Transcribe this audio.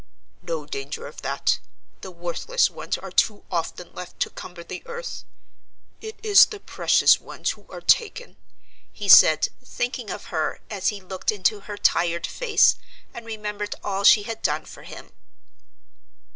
"No danger of that: the worthless ones are too often left to cumber the earth; it is the precious ones who are taken," he said, thinking of her as he looked into her tired face, and remembered all she had done for him.